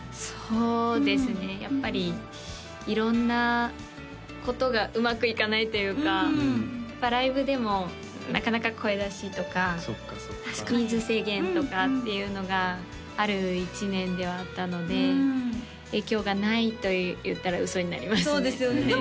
そうですねやっぱり色んなことがうまくいかないというかライブでもなかなか声出しとか人数制限とかっていうのがある一年ではあったので影響がないと言ったら嘘になりますね